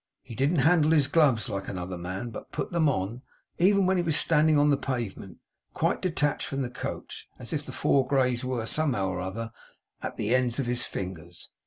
He didn't handle his gloves like another man, but put them on even when he was standing on the pavement, quite detached from the coach as if the four greys were, somehow or other, at the ends of the fingers.